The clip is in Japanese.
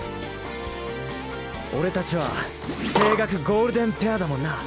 俺たちは青学ゴールデンペアだもんな。